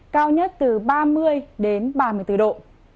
cao nhất từ ba mươi đến ba mươi bốn độ